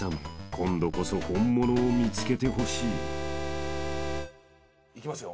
今度こそ本物を見つけてほしい］いきますよ。